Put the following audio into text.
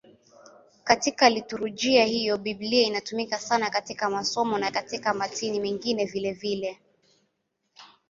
Katika liturujia hiyo Biblia inatumika sana katika masomo na katika matini mengine vilevile.